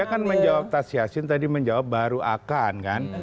saya kan menjawab tas yassin tadi menjawab baru akan kan